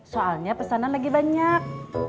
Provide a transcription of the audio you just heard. soalnya pesanan lagi banyak